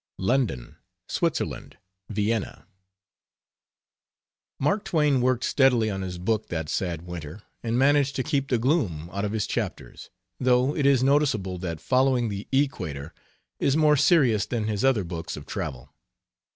LONDON, SWITZERLAND, VIENNA Mark Twain worked steadily on his book that sad winter and managed to keep the gloom out of his chapters, though it is noticeable that 'Following the Equator' is more serious than his other books of travel.